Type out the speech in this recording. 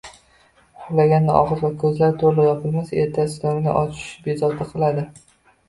uxlaganda og`iz va ko`zlar to`liq yopilmasa, ertasiga tongda achishish bezovta qiladi.